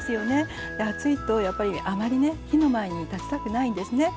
で暑いとやっぱりあまりね火の前に立ちたくないんですね。